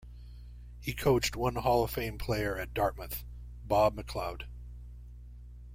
He coached one Hall of Fame player at Dartmouth, Bob MacLeod.